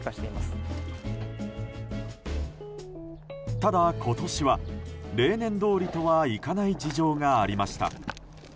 ただ、今年は例年通りとはいかない事情がありました。